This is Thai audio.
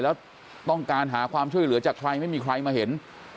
แล้วต้องการหาความช่วยเหลือจากใครไม่มีใครมาเห็น